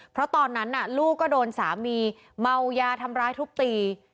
เพราะตอนนั้นลูกก็โดนสามีเมายาทำร้ายทุบตี